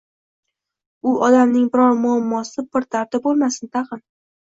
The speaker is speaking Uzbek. U odamning biror muammosi, bir dardi bo`lmasin tag`in